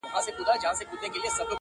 اوښکي نه راتویومه خو ژړا کړم-